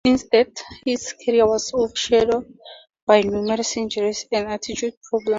Instead, his career was overshadowed by numerous injuries and attitude problems.